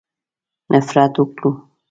نفرت وکړو.